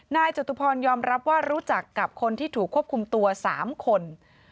จตุพรยอมรับว่ารู้จักกับคนที่ถูกควบคุมตัว๓คน